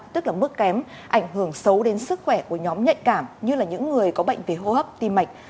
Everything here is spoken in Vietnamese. tức là mức kém ảnh hưởng xấu đến sức khỏe của nhóm nhạy cảm như là những người có bệnh về hô hấp tim mạch